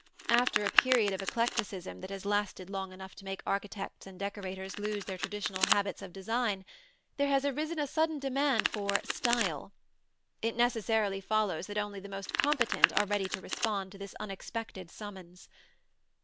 After a period of eclecticism that has lasted long enough to make architects and decorators lose their traditional habits of design, there has arisen a sudden demand for "style." It necessarily follows that only the most competent are ready to respond to this unexpected summons.